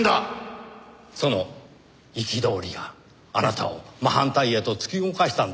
その憤りがあなたを真反対へと突き動かしたんです。